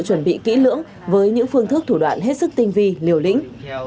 chuẩn bị kỹ lưỡng với những phương thức thủ đoạn hết sức tinh vi liều lĩnh